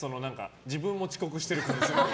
自分も遅刻しているから。